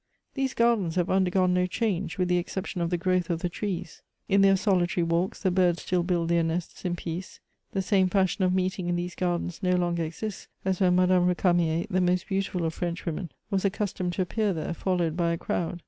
These gardens have undergone 234 MEMOIRS OF no ehange, with the exception of the growth of the trees ; in their solitary walks the hirds still build their nests in peace^ The same fiishion of meeting in these gardens no longer exists as whea Madame Recamier, the most beautiful of Frenchwomen, was ac customed to appear there, followed by a crowd.